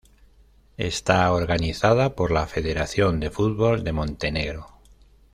Está organizada por la Federación de Fútbol de Montenegro.